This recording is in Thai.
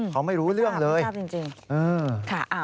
เขาไม่รู้เรื่องเลยไม่รู้เรื่องจริง